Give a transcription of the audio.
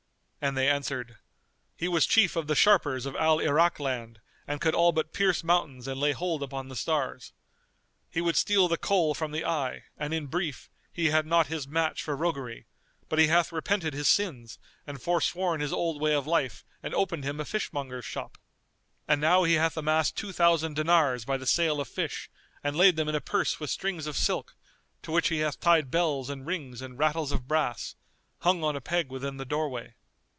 and they answered, "He was chief of the sharpers of Al Irak land and could all but pierce mountains and lay hold upon the stars. He would steal the Kohl from the eye and, in brief, he had not his match for roguery; but he hath repented his sins and foresworn his old way of life and opened him a fishmonger's shop. And now he hath amassed two thousand dinars by the sale of fish and laid them in a purse with strings of silk, to which he hath tied bells and rings and rattles of brass, hung on a peg within the doorway.